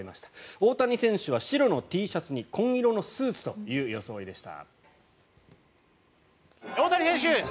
大谷選手は白のＴシャツに紺色のスーツという装いでした。